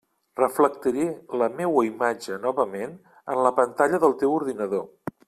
Reflectiré la meua imatge novament en la pantalla del teu ordinador.